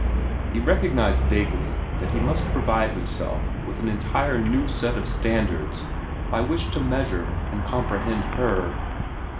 He recognized vaguely that he must provide himself with an entire new set of standards by which to measure and comprehend her.